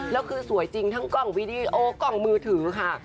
แล้วคือสวยจริงทั้งกล้องวีดีโอกล่องมือถือค่ะ